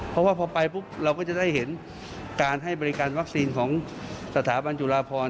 เพราะว่าพอไปปุ๊บเราก็จะได้เห็นการให้บริการวัคซีนของสถาบันจุฬาพร